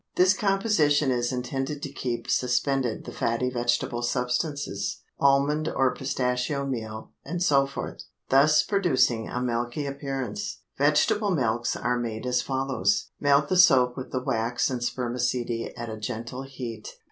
This composition is intended to keep suspended the fatty vegetable substances (almond or pistachio meal, etc.), thus producing a milky appearance. Vegetable milks are made as follows. Melt the soap with the wax and spermaceti at a gentle heat.